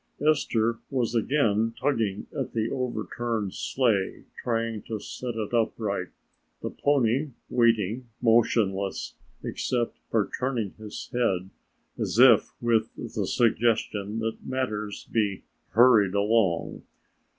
Esther was again tugging at the overturned sleigh trying to set it upright, the pony waiting motionless except for turning his head as if with the suggestion that matters be hurried along.